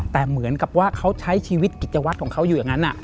แต่เหมือนกับว่าเขาใช้ชีวิตกิจวัตรของเขาอยู่อย่างนั้น